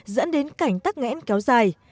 dẫn đến cảnh tắc nghẽn kéo dài